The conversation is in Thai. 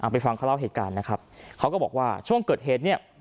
ไปฟังเขาเล่าเหตุการณ์นะครับเขาก็บอกว่าช่วงเกิดเหตุเนี่ย